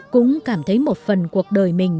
cũng cảm thấy một phần cuộc đời mình